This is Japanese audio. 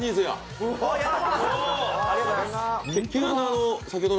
はい。